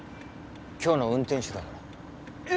今日の運転手だからえ！